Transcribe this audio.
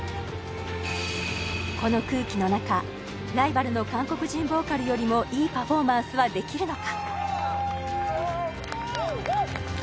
この空気の中ライバルの韓国人ボーカルよりもいいパフォーマンスはできるのか？